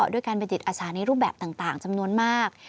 ด้วยการเป็นจิตอาสาในรูปแบบต่างจำนวนมาก